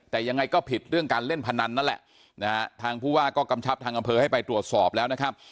แต่ยังไงก็ผิดเรื่องการเล่นพนันนั่นแหละนะฮะทางผู้ว่าก็กำชับทางอำเภอให้ไปตรวจสอบแล้วนะครับ